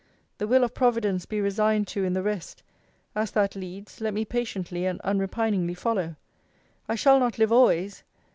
The will of Providence be resigned to in the rest: as that leads, let me patiently and unrepiningly follow! I shall not live always!